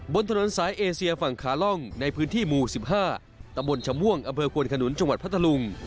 บนถนนสายเอเซียฝั่งขาล่องในพื้นที่หมู่๑๕ตำบลชะม่วงอำเภอควนขนุนจังหวัดพัทธลุง